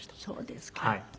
そうですか。